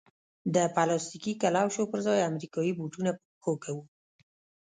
د پلاستیکي کلوشو پر ځای امریکایي بوټونه په پښو کوو.